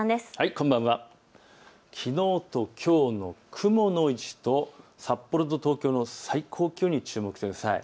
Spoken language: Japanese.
きのうときょうの雲の位置と札幌と東京の最高気温に注目してください。